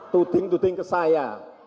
tuding tuding ke saya